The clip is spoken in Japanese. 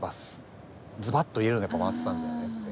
ズバッと言えるのがやっぱマツさんだよねって。